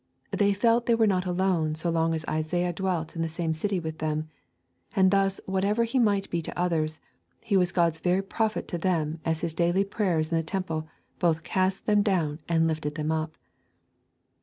They felt they were not alone so long as Isaiah dwelt in the same city with them. And thus, whatever he might be to others, he was God's very prophet to them as his daily prayers in the temple both cast them down and lifted them up.